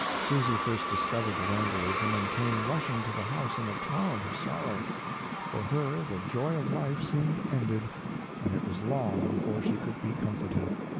Susy first discovered the vandalism, and came rushing to the house in a torrent of sorrow. For her the joy of life seemed ended, and it was long before she could be comforted.